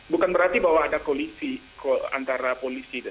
bukan berarti bahwa ada koalisi antara polisi